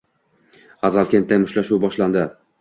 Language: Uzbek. G‘azalkentda “mushtlashuv” boshlandi